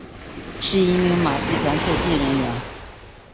是一名马戏团特技人员。